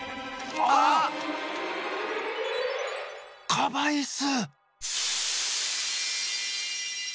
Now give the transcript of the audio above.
カバイス！